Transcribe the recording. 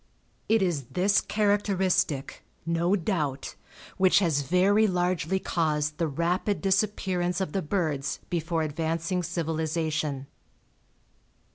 It is this characteristic, no doubt, which has very largely caused the rapid disappearance of the birds before advancing civilization.